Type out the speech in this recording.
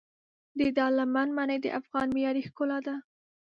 د دارالامان ماڼۍ د افغان معمارۍ ښکلا ده.